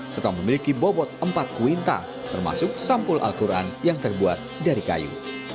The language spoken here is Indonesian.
serta memiliki bobot empat kuinta termasuk sampul al quran yang terbuat dari kayu